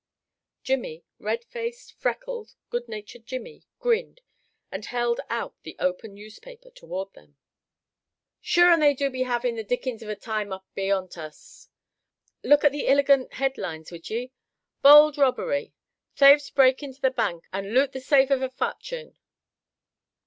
Jimmie, red faced, freckled, good natured Jimmie, grinned, and held out the open newspaper toward them. "Sure and they do be havin' the dickens av a time up beyant us. Look at the illegant head lines, would ye? 'Bowld robbery! Thaves break into the Bank, and loot the Safe av a Forchune!